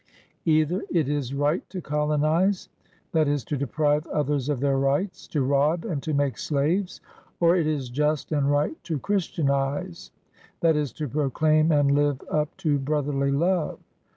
Either it is right to colonize, that is, to deprive others of their rights, to rob and to make slaves, or it is just and right to Chris tianize, that is, to proclaim and live up to brotherly love.